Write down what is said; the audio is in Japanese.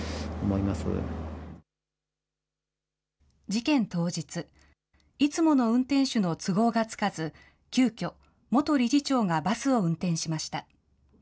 事件当日、いつもの運転手の都合がつかず、急きょ、元理事長がバスを運転しました。